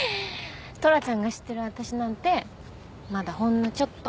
トラちゃんが知ってる私なんてまだほんのちょっと。